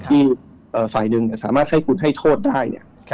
ที่ฝ่ายหนึ่งสามารถให้คุณให้โทษได้